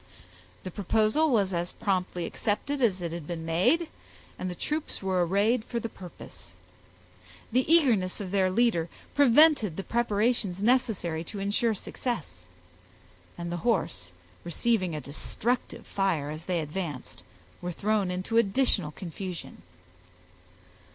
The proposal was as promptly accepted as it had been made, and the troops were arrayed for the purpose. The eagerness of their leader prevented the preparations necessary to insure success, and the horse, receiving a destructive fire as they advanced, were thrown into additional confusion.